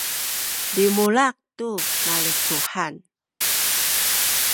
limulak tu nalecuhan